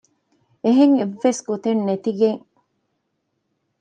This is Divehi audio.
އެހެން އެއްވެސް ގޮތެއް ނެތިގެން